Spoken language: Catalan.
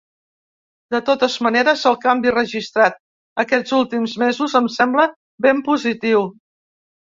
De totes maneres, el canvi registrat aquests últims mesos em sembla ben positiu.